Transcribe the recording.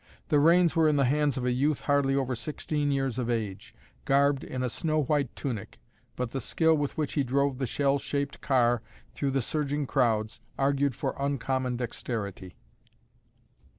The reins were in the hands of a youth hardly over sixteen years of age, garbed in a snow white tunic, but the skill with which he drove the shell shaped car through the surging crowds argued for uncommon dexterity.